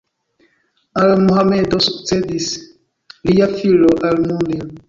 Al Mohamedo sukcedis lia filo Al-Mundir.